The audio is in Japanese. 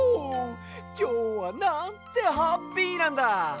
きょうはなんてハッピーなんだ！